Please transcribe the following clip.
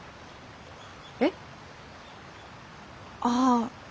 えっ？ああ。